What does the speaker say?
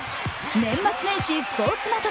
年末年始スポーツまとめ。